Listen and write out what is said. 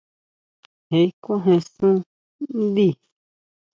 Je kjuajen sun ndí.